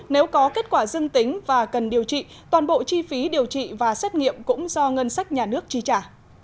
nếu có kết quả dưng tính và cần điều trị toàn bộ chi phí điều trị và xét nghiệm cũng do ngân sách nhà nước chi trả